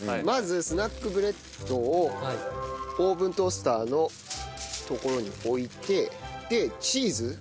まずスナックブレッドをオーブントースターの所に置いてでチーズ。